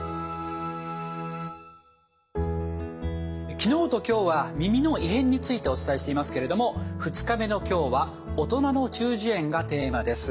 昨日と今日は耳の異変についてお伝えしていますけれども２日目の今日は大人の中耳炎がテーマです。